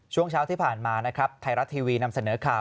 ช่วงเช้าที่ผ่านมานะครับไทยรัฐทีวีนำเสนอข่าว